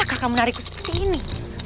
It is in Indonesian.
ada apa kakak menarikku seperti ini